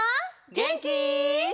げんき？